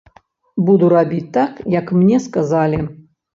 Буду рабіць так, як мне сказалі.